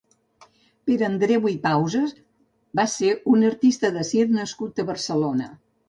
Pere Andreu i Pausas va ser un «Artista de circ» nascut a Barcelona.